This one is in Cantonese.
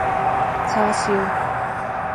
叉燒